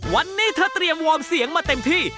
วันนี้เธอเตรียมวอร์มเสียงมาเต็มที่